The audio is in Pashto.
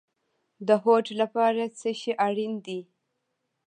د هوډ لپاره څه شی اړین دی؟